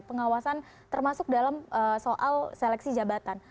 pengawasan termasuk dalam soal seleksi jabatan